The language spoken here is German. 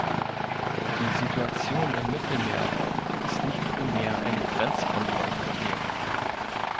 Die Situation im Mittelmeerraum ist nicht primär ein Grenzkontrollproblem.